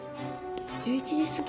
１１時過ぎ？